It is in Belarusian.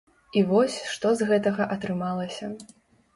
І вось, што з гэтага атрымалася.